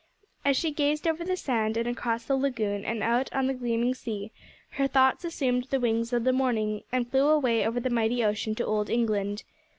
As she gazed over the sand, and across the lagoon, and out on the gleaming sea, her thoughts assumed the wings of the morning and flew away over the mighty ocean to old England.